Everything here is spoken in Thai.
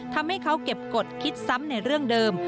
ทำให้เขาเก็บกฎคิดซ้ำในเรื่องเดิม